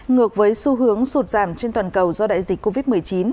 ngược với xu hướng sụt giảm trên toàn cầu do đại dịch covid một mươi chín